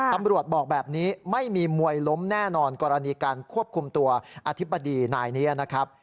ตำรวจบอกแบบนี้ไม่มีมวยล้มแน่นอนกรณีการควบคุมตัวอธิบดีนายนี้นะครับ